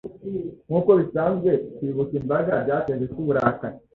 Nkuko bisanzwe, kwibuka impanga byateje se uburakari.